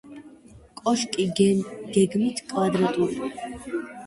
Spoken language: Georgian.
კოშკი გეგმით კვადრატულია.